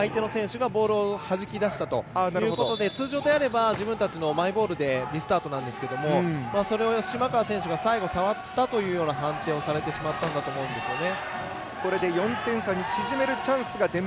相手の選手がボールをはじき出したということで通常ならマイボールでリスタートなんですが島川選手が最後触ったという判定をされてしまったんですかね。